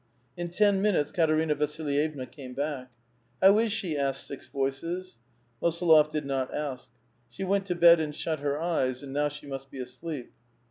In ten minutes Katerina Vasllyevna came back. *' How is she?" asked six voices. Mosolof did not ask. " She went to bed and shut her eyes, and now she must be asleep."